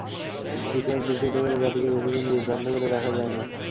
ইতিহাস বিকৃত করে জাতিকে বেশি দিন বিভ্রান্ত করে রাখা যায় না।